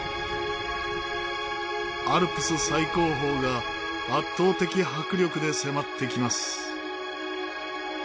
アルプス最高峰が圧倒的迫力で迫ってきます。